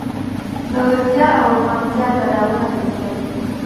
د ویښتیا او روښانتیا تاداوونه کېښودل.